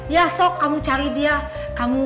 ya sok kamu cari dia kamu